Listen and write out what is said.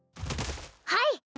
はい